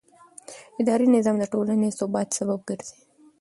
اداري نظام د ټولنې د ثبات سبب ګرځي.